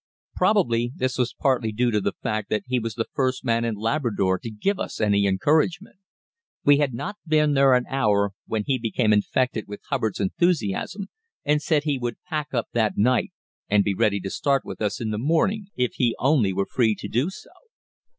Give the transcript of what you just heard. Probably this was partly due to the fact that he was the first man in Labrador to give us any encouragement. We had not been there an hour when he became infected with Hubbard's enthusiasm and said he would pack up that night and be ready to start with us in the morning, if he only were free to do so.